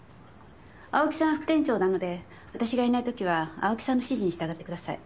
青木さんは副店長なので私がいないときは青木さんの指示に従ってください。